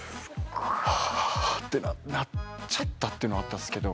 ハァってなっちゃったっていうのはあったっすけど。